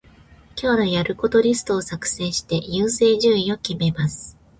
今日のやることリストを作成して、優先順位を決めます。